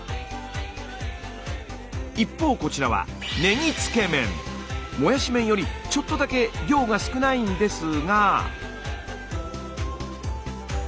一方こちらはもやし麺よりちょっとだけ量が少ないんですが。